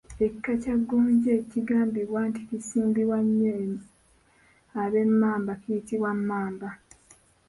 Ekika kya gonja ekigambibwa nti kisimbibwa nnyo ab’Emmamba kiyitibwa Mmamba.